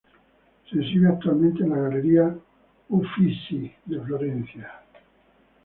Se exhibe actualmente en la Galería Uffizi de Florencia.